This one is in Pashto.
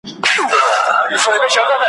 دا يې زېری دطغيان دی `